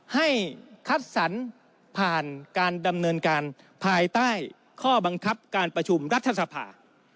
ให้คัดสรรผ่านการดำเนินการภายใต้ข้อบังคับการประชุมรัฐสภา